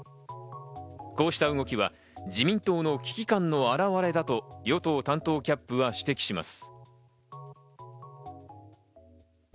こうした動きは自民党の危機感の表れだと与党担当キャップは指摘します。